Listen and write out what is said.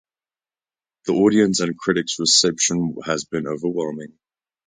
The audience and critics reception has been overwhelming.